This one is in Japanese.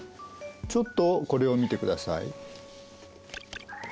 ちょっとこれを見てください。